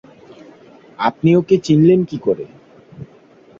আপনি ওকে চিনলেন কি কোরে?